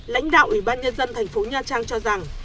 lãnh đạo ủy ban nhân dân thành phố nha trang cho rằng